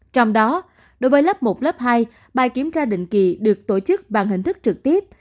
trong đó đối với lớp một lớp hai bài kiểm tra định kỳ được tổ chức bằng hình thức trực tiếp